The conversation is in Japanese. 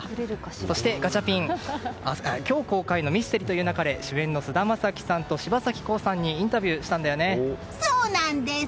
そしてガチャピン、今日公開の「ミステリと言う勿れ」主演の菅田将暉さんと柴咲コウさんにそうなんです！